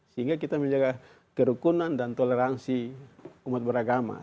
sehingga kita menjaga kerukunan dan toleransi umat beragama